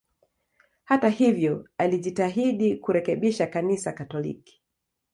Hata hivyo, alijitahidi kurekebisha Kanisa Katoliki.